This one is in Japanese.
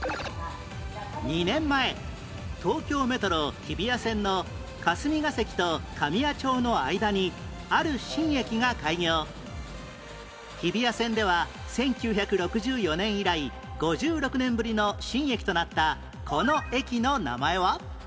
２年前東京メトロ日比谷線の日比谷線では１９６４年以来５６年ぶりの新駅となったこの駅の名前は？